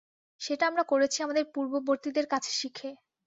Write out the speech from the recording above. সেটা আমরা করেছি আমাদের পূর্ববর্তীদের কাছে শিখে।